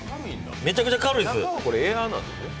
めちゃくちゃ軽いです。